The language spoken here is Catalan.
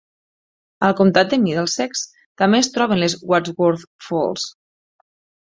Al comtat de Middlesex també es troben les Wadsworth Falls.